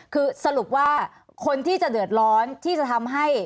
คือสรุปว่าคนที่จะเดือดร้อนที่จะทำให้